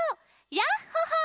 「ヤッホ・ホー」！